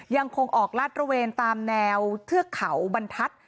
ยังคงออกลาดระเวนตามแนวเทือกเขาบรรทัศน์